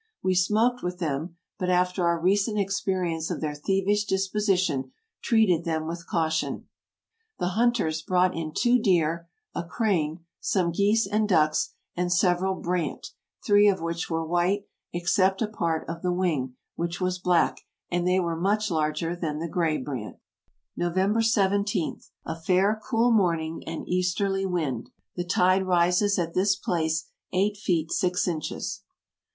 We smoked with them, but, after our recent ex perience of their thievish disposition, treated them with caution." " The hunters brought in two deer, a crane, some geese and ducks, and several brant, three of which were white, except a part of the wing, which was black, and they were much larger than the gray brant. "November ly. — A fair, cool morning, and easterly wind. The tide rises at this place eight feet six inches.